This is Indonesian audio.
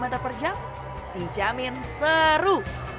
lima meter per jam dijamin seru